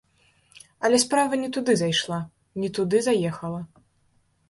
Але справа не туды зайшла, не туды заехала.